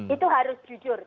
itu harus jujur